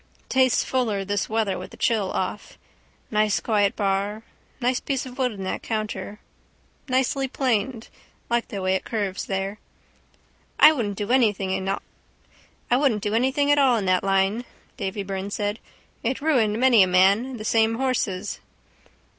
Tastes fuller this weather with the chill off. Nice quiet bar. Nice piece of wood in that counter. Nicely planed. Like the way it curves there. —I wouldn't do anything at all in that line, Davy Byrne said. It ruined many a man, the same horses.